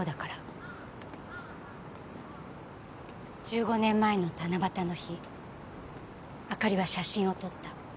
１５年前の七夕の日朱莉は写真を撮った。